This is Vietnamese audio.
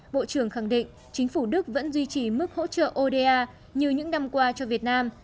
bộ trưởng khẳng định chính phủ đức vẫn duy trì mức hỗ trợ oda như những năm qua cho việt nam